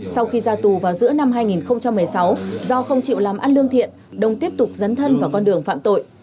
sau khi ra tù vào giữa năm hai nghìn một mươi sáu do không chịu làm ăn lương thiện đông tiếp tục dấn thân vào con đường phạm tội